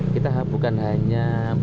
kita bukan hanya